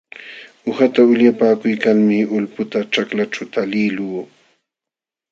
Uqata ulyapakuykalmi ulputa ćhaklaćhu taliqluu.